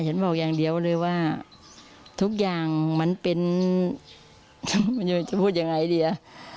บอกอย่างเดียวเลยว่าทุกอย่างมันเป็นมันจะพูดยังไงดีอ่ะ